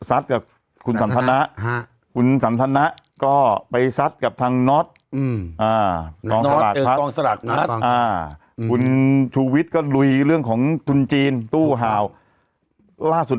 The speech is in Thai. อ่าอืมอืมคุณถูวิทย์ก็ลุยเรื่องของทุนจีนตู้หาวล่าสุด